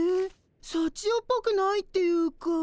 さちよっぽくないっていうか。